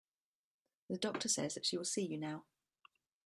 The doctor says that she will see you now.